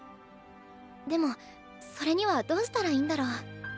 でもそれにはどうしたらいいんだろう。